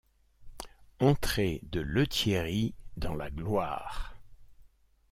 Entrée de Lethierry dans la gloire